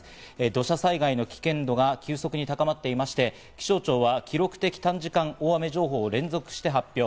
土砂災害の危険度が急速に高まっていまして、気象庁は記録的短時間大雨情報を連続して発表。